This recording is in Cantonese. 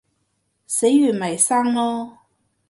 死完咪生囉